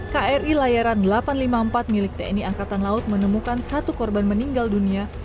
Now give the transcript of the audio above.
kri layaran delapan ratus lima puluh empat milik tni angkatan laut menemukan satu korban meninggal dunia